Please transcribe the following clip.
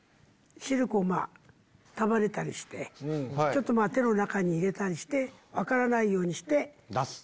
シルクをまぁ束ねたりしてちょっと手の中に入れたりして分からないようにして。